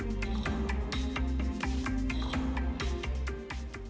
untuk mencari mikroplastik alex menggunakan kabel